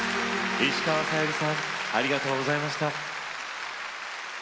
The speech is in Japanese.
石川さゆりさんありがとうございました。